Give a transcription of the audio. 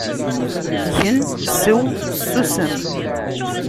Gen, seww, susem.